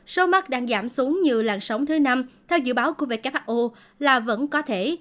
số mắc đang giảm xuống như làn sóng thứ năm theo dự báo của who là vẫn có thể